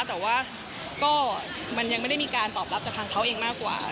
แต่ว่าก็มันยังไม่ได้มีการตอบรับจากทางเขาเองมากกว่า